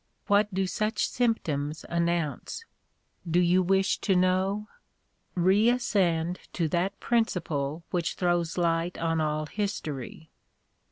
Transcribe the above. What do such symp toms announce? Do you wish to know? Reascend to that principle which throws light on all history.